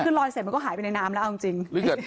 คือลอยเสร็จมันก็หายไปในน้ำแล้วเอาจริง